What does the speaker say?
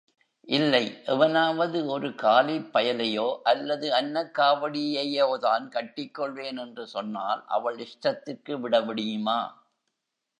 இல்லை எவனாவது ஒரு காலிப்பயலையோ அல்லது அன்னக்காவடியையோதான் கட்டிக் கொள்வேன் என்று சொன்னால் அவள் இஷ்டத்திற்கு விட முடியுமா?